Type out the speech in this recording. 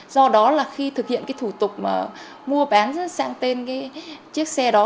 do đó là khi thực hiện thủ tục mua bán sang tên chiếc xe đó